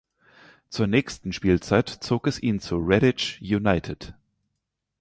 Zur nächsten Spielzeit zog es ihn zu Redditch United.